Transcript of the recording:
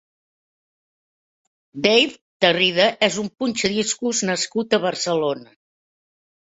Dave Tarrida és un punxadiscos nascut a Barcelona.